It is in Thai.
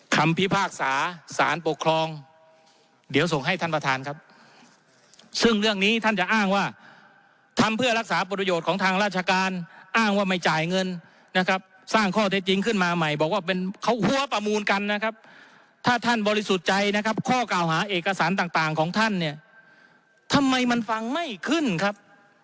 คำพิพากษาสารปกครองเดี๋ยวส่งให้ท่านประธานครับซึ่งเรื่องนี้ท่านจะอ้างว่าทำเพื่อรักษาประโยชน์ของทางราชการอ้างว่าไม่จ่ายเงินนะครับสร้างข้อเท็จจริงขึ้นมาใหม่บอกว่าเป็นเขาหัวประมูลกันนะครับถ้าท่านบริสุทธิ์ใจนะครับข้อกล่าวหาเอกสารต่างต่างของท่านเนี่ยทำไมมันฟังไม่ขึ้นครับ